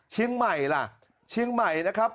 เชียงใหม่ล่ะเชียงใหม่นะครับ